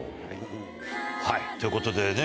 はいということでね